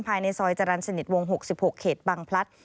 ภายในซอยจรรย์สนิทวง๖๖เขตบังพลัด